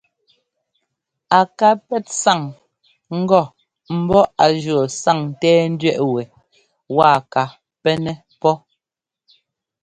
A ká pɛ́t sáŋ ŋgɔ ḿbɔ́ á jʉɔ́ sáŋńtɛ́ɛńdẅɛꞌ wɛ waa ka pɛ́nɛ́ pɔ́.